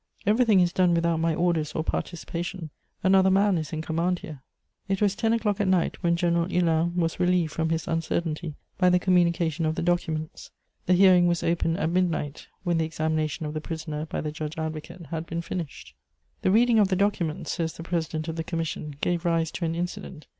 Everything is done without my orders or participation: another man is in command here." It was ten o'clock at night when General Hulin was relieved from his uncertainty by the communication of the documents. The hearing was opened at midnight, when the examination of the prisoner by the judge advocate had been finished. "The reading of the documents," says the president of the commission, "gave rise to an incident.